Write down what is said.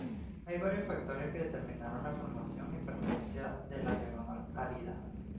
Hay varios factores que determinaron la formación y permanencia de la diagonal árida.